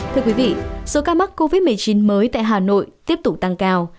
thưa quý vị số ca mắc covid một mươi chín mới tại hà nội tiếp tục tăng cao